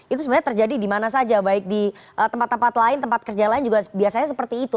itu sebenarnya terjadi di mana saja baik di tempat tempat lain tempat kerja lain juga biasanya seperti itu